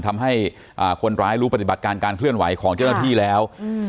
ทำให้คนร้ายรู้ปฏิบัติการการเคลื่อนไหวของเจ้าหน้าที่แล้ว